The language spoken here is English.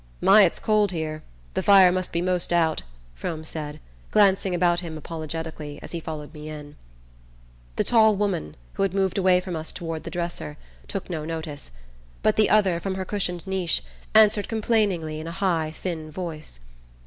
"My, it's cold here! The fire must be 'most out," Frome said, glancing about him apologetically as he followed me in. The tall woman, who had moved away from us toward the dresser, took no notice; but the other, from her cushioned niche, answered complainingly, in a high thin voice.